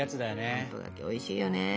あんぽ柿おいしいよね。